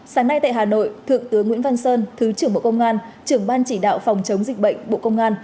sáng nay tại hà nội thượng tướng nguyễn văn sơn thứ trưởng bộ công an trưởng ban chỉ đạo phòng chống dịch bệnh bộ công an